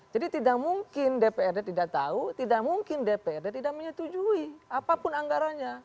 jadi tidak mungkin dprd tidak tahu tidak mungkin dprd tidak menyetujui apapun anggaranya